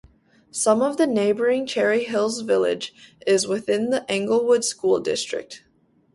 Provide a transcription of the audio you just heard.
Some of neighboring Cherry Hills Village is within the Englewood School district.